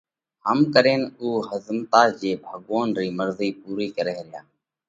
ھم ڪرينَ اُو ۿزمتا جي ڀڳوونَ رئِي مرضئِي پُورئِي ڪرئھ ريا۔